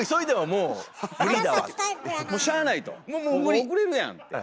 もう遅れるやんって？